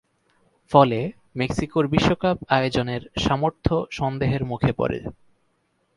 ফলে মেক্সিকোর বিশ্বকাপ আয়োজনের সামর্থ্য সন্দেহের মুখে পড়ে।